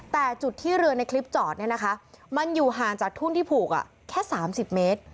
แต่จุดที่เรือในคลิปจอดเนี่ยนะคะมันอยู่ห่างจากทุ่นที่ผูกแค่๓๐เมตร